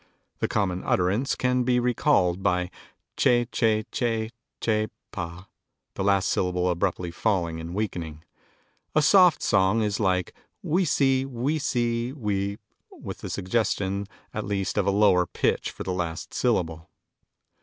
"The common utterance can be recalled by che, che, che, che pa, the last syllable abruptly falling and weakening." "A soft song is like wee see, wee see wee, with a suggestion at least of a lower pitch for the last syllable."